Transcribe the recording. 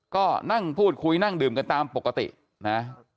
ก็นั่งพูดคุยนั่งดื่มกันตามปกตินะ